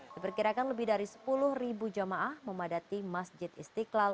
diperkirakan lebih dari sepuluh jamaah memadati masjid istiqlal